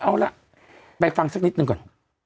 เอาล่ะไปฟังสักนิดหนึ่งก่อน